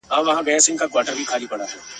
نه یې پښې لامبو ته جوړي نه لاسونه !.